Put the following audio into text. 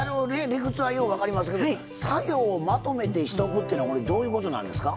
理屈はよう分かりますけど作業をまとめてしとくっていうのはこれどういうことなんですか？